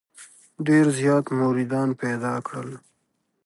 ډېر زیات مریدان پیدا کړل.